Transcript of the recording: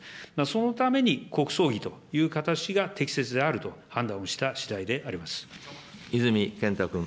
そのために国葬儀という形が適切であると判断をしたしだいであり泉健太君。